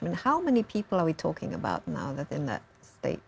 berapa banyak orang yang kita bicarakan sekarang